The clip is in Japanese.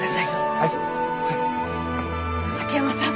秋山さん